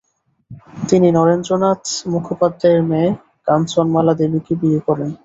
তিনি নরেন্দ্রনাথ মুখোপাধ্যায়ের মেয়ে কাঞ্চনমালা দেবীকে বিয়ে করেন।